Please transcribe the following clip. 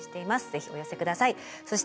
是非お寄せください。